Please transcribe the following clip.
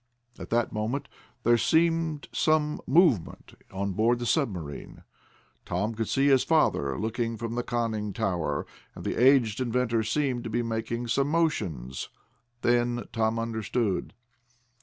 At that moment there seemed some movement on board the submarine. Tom could see his father looking from the conning tower, and the aged inventor seemed to be making some motions. Then Tom understood.